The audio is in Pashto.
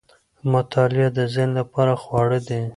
مطالعه د ذهن لپاره خواړه دي.